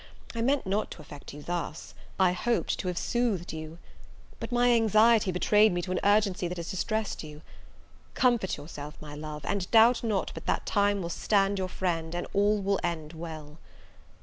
I meant not to affect you thus, I hoped to have soothed you! but my anxiety betrayed me to an urgency that has distressed you. Comfort yourself, my love; and doubt not but that time will stand your friend, and all will end well."